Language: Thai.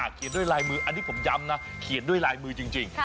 เขียนด้วยลายมืออันนี้ผมย้ำนะเขียนด้วยลายมือจริง